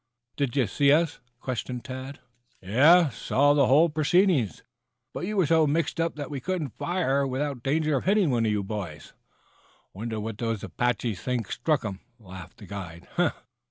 "Did you see us?" questioned Tad. "Yes, we saw the whole proceeding. But you were so mixed up that we couldn't fire without danger of hitting one of you boys. Wonder what those Apaches think struck them," laughed the guide.